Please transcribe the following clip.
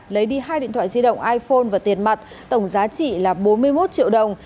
lấy đi hai điện thoại di động iphone và tiền mặt tổng giá trị là bốn mươi một triệu đồng